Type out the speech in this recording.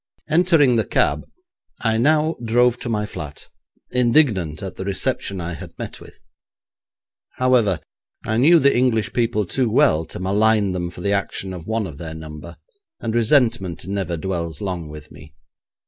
Entering the cab I now drove to my flat, indignant at the reception I had met with. However, I knew the English people too well to malign them for the action of one of their number, and resentment never dwells long with me.